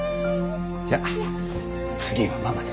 じゃあ次はママね。